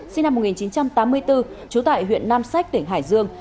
sinh năm một nghìn chín trăm tám mươi bốn trú tại huyện nam sách tỉnh hải dương